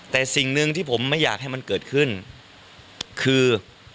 แต่สิ่งหนึ่งที่ผมไม่อยากให้มันเกิดขึ้นคือ